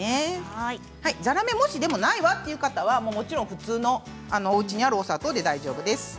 ざらめがないという方は普通のおうちにあるお砂糖で大丈夫です。